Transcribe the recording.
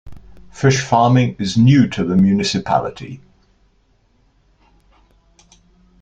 Fish farming is new to the municipality.